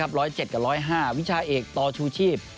๑๐๗กับ๑๐๕วิชาเอกค์ต่อชูชีพ